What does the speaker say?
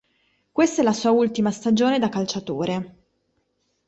Questa è la sua ultima stagione da calciatore.